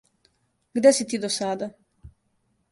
Где си ти до сада?